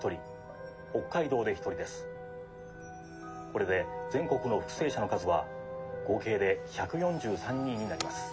これで全国の復生者の数は合計で１４３人になります。